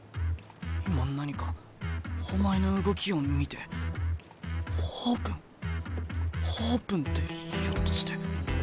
今何かお前の動きを見てオープンオープンってひょっとして。